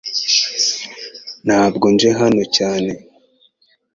Ntabwo nje hano cyane .